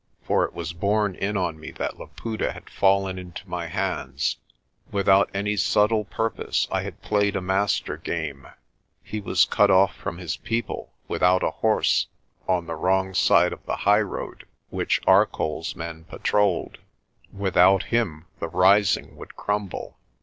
For it was borne in on me that Laputa had fallen into my hands. Without any subtle purpose I had played a master game. He was cut off from his people, without a horse, on the wrong side of the highroad which ArcolPs men pa A MAN'S TRUST IN A HORSE 215 trolled. Without him the rising would crumble.